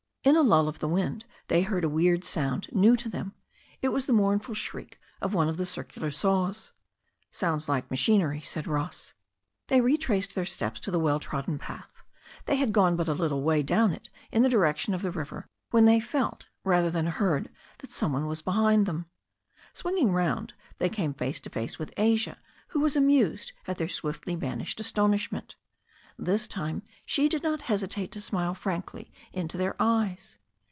In a lull of the wind they heard a weird sound, new to them. It was the mournful shriek of one of the circular saws. "Sounds like machinery," said Ross. They retraced their steps to the well trodden path. They had gone but a little way down it in the direction of the river when they felt rather than heard that some one was behind them. Swinging round, they came face to face with Asia, who was amused at their swiftly banished as tonishment. This time she did not hesitate to smile frankly into their eyes.